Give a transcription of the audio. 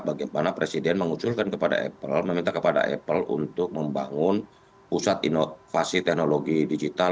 bagaimana presiden mengusulkan kepada apple meminta kepada apple untuk membangun pusat inovasi teknologi digital